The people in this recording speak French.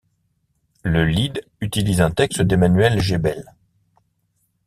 Le lied utilise un texte d'Emanuel Geibel.